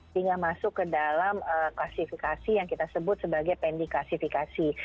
tinggal masuk ke dalam klasifikasi yang kita sebut sebagai pending klasifikasi